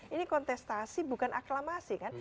ini kontestasi bukan aklamasi kan